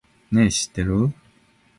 ねぇ、知ってる？